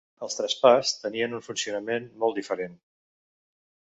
Els Trapas tenien un funcionament molt diferent.